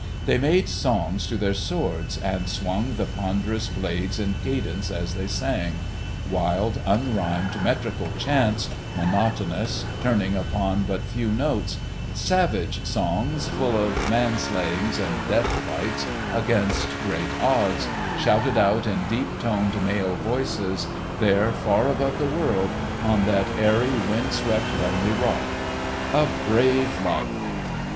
They made songs to their swords, and swung the ponderous blades in cadence as they sang—wild, unrhymed, metrical chants, monotonous, turning upon but few notes; savage songs, full of man slayings and death fights against great odds, shouted out in deep toned, male voices, there, far above the world, on that airy, wind swept, lonely rock. A brave life!